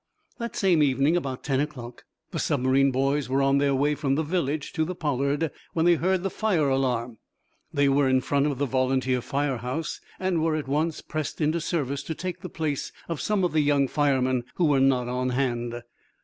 That same evening about ten o'clock the submarine boys were on their way from the village to the "Pollard" when they heard the fire alarm. They were in front of the volunteer fire house, and were at once pressed into service to take the place of some of the young firemen who were not at hand.